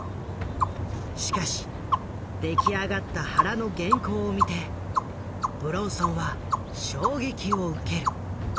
しかし出来上がった原の原稿を見て武論尊は衝撃を受ける。